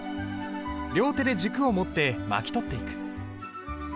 両手で軸を持って巻き取っていく。